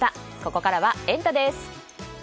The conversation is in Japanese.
ここからはエンタ！です。